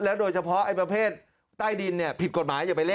โดยเฉพาะไอ้ประเภทใต้ดินผิดกฎหมายอย่าไปเล่น